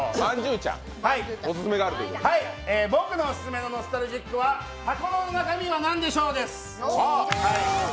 僕のオススメのノスタルジックなものは「箱の中身は何でしょう？」です。